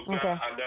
oke oke dan juga ada